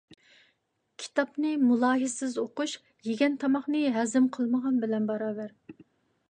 كىتابنى مۇلاھىزىسىز ئوقۇش، يېگەن تاماقنى ھەزىم قىلمىغان بىلەن باراۋەر.